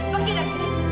pegi dari sini